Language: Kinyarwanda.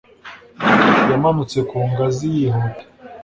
Yamanutse ku ngazi yihuta.